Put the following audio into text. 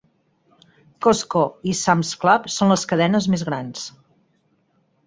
Costco i Sam's Club són les cadenes més grans.